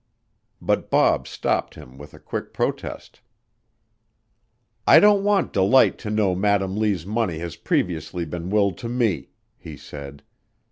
But Bob stopped him with a quick protest. "I don't want Delight to know Madam Lee's money has previously been willed to me," he said.